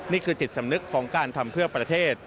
นี่คือจิตสำนึกของการทำเพื่อประเทศ